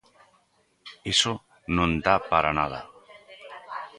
¡Iso non dá para nada!